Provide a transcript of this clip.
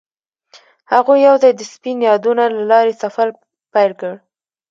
هغوی یوځای د سپین یادونه له لارې سفر پیل کړ.